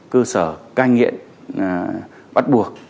cơ sở cai nghiện bắt buộc